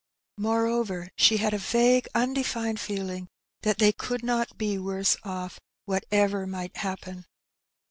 Moreover, she had a vague, undefined feeling that they could not be worse off, whatever might happen.